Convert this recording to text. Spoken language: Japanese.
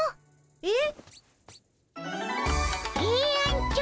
えっ？